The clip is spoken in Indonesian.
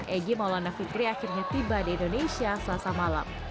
egy maulana fikri akhirnya tiba di indonesia selasa malam